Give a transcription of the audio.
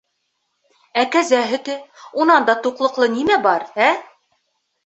Ә кәзә һөтө, унан да туҡлыҡлы нимә бар, ә?